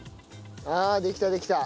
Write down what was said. ああできたできた。